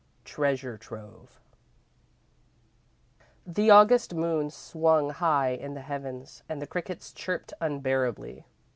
XV Treasure Trove The August moon swung high in the heavens, and the crickets chirped unbearably.